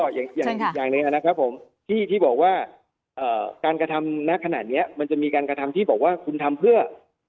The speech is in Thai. อย่างหนึ่งนะครับผมที่บอกว่าการกระทำนักขนาดนี้มันจะมีการกระทำที่บอกว่าคุณทำเพื่อ